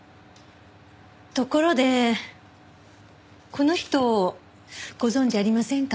ところでこの人ご存じありませんか？